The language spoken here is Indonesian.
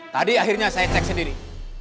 tadi akhirnya saya cek sendiri